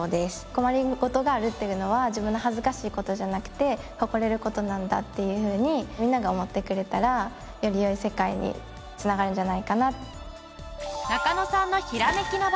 困り事があるっていうのは自分の恥ずかしい事じゃなくて誇れる事なんだっていうふうにみんなが思ってくれたらより良い世界に繋がるんじゃないかな。